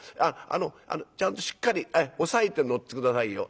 あのちゃんとしっかり押さえて乗って下さいよ。